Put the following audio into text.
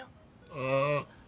ああ。